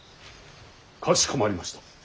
かしこまりました。